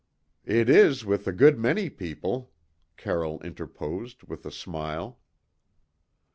"It is with a good many people," Carroll interposed with a smile.